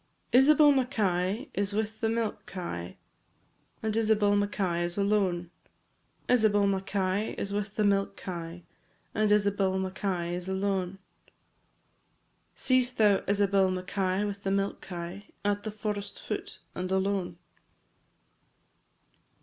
Isabel Mackay is with the milk kye, And Isabel Mackay is alone; Isabel Mackay is with the milk kye, And Isabel Mackay is alone, &c. Seest thou Isabel Mackay with the milk kye, At the forest foot and alone?